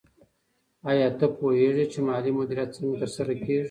آیا ته پوهېږې چې مالي مدیریت څنګه ترسره کېږي؟